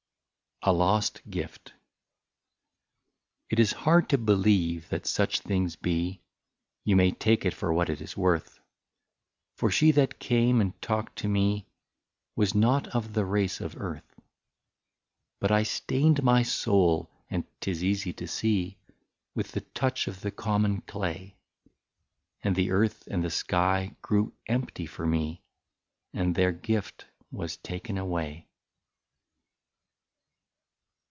53 A LOST GIFT. It is hard to believe that such things be, You may take it for what it is worth ; For she that came and talked to me, Was not of the race of earth. But I stained my soul, as 't is easy to see. With the touch of the common clay ; And the earth and the sky grew empty for me, And their gift was taken away.